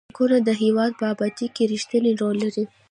بانکونه د هیواد په ابادۍ کې رښتینی رول لري.